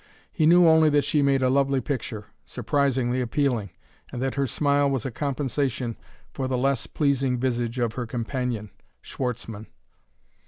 He knew only that she made a lovely picture, surprisingly appealing, and that her smile was a compensation for the less pleasing visage of her companion, Schwartzmann.